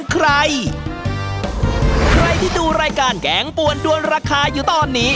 ใครใครที่ดูรายการแกงปวนด้วนราคาอยู่ตอนนี้